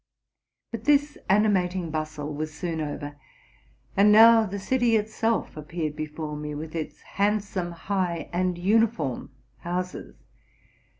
But this animating bustle was soon over; and now the city itself appeared before me, with its handsome, high, and uni form houses.